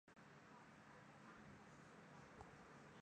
灰林鸽为鸠鸽科鸽属的鸟类。